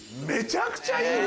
めちゃくちゃいい。